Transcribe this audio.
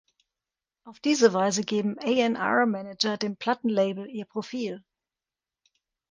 Auf diese Weise geben A&R-Manager dem Plattenlabel ihr Profil.